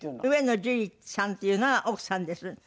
上野樹里さんというのが奥さんです。